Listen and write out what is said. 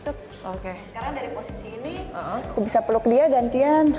sekarang dari posisi ini aku bisa peluk dia gantian